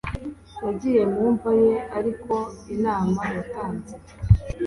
yagiye mu mva ye, ariko inama yatanze